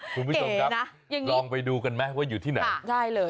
คุณผู้ชมครับลองไปดูกันไหมว่าอยู่ที่ไหนได้เลย